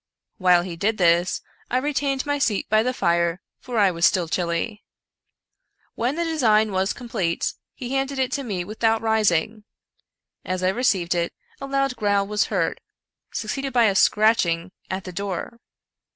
While he did this, I retained my seat by the fire, for I was still chilly. When the design was complete, he handed it to me without rising. As I received it, a loud growl was heard, succeeded by a scratch ing at the door.